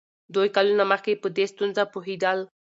دوی کلونه مخکې په دې ستونزه پوهېدل.